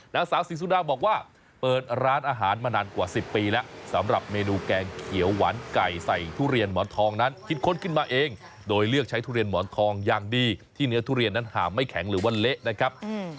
นางสาวศรีสุดาบอกว่าเปิดร้านอาหารมานานกว่า๑๐ปีแล้วสำหรับเมนูแกงเขียวหวานไก่ใส่ทุเรียนหมอนทองนั้นคิดค้นขึ้นมาเองโดยเลือกใช้ทุเรียนหมอนทองอย่างดีที่เนื้อทุเรียนนั้นหาไม่แข็งหรือว่าเละนะครับ